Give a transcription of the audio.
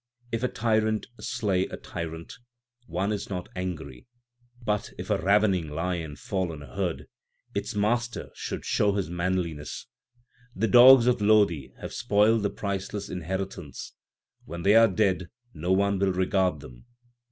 If a tyrant slay a tyrant, one is not angry ; But if a ravening lion fall on a herd, its master l should show his manliness. The dogs of Lodi 2 have spoiled the priceless inheritance ; when they are dead no one will regard them.